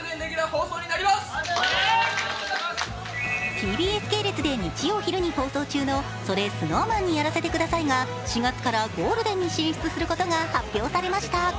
ＴＢＳ系列で日曜昼に放送中の「それＳｎｏｗＭａｎにやらせて下さい」が４月からゴールデンに進出することが発表されました。